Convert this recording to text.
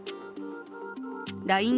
ＬＩＮＥ